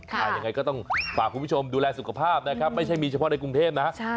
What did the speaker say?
ยังไงก็ต้องฝากคุณผู้ชมดูแลสุขภาพนะครับไม่ใช่มีเฉพาะในกรุงเทพนะ